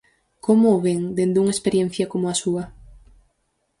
Como o ven, dende unha experiencia como a súa?